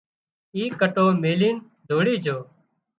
اي ڪٽو ميلين ڌوڙي جھو